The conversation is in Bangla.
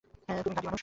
তুমি খাঁটি মানুষ।